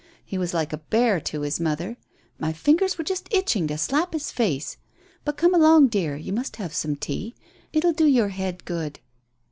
He was like a bear to his mother. My fingers were just itching to slap his face. But come along, dear, you must have some tea. It'll do your head good."